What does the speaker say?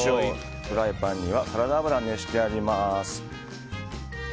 フライパンにはサラダ油を熱してあります。